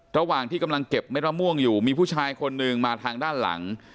ระหว่างที่กำลังเก็บเม็ดมะม่วงอยู่มีผู้ชายคนหนึ่งมาทางด้านหลัง